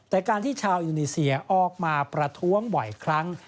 แต่การที่ชาวอินโดนีเซียออกมาประท้วงบ่อยครั้ง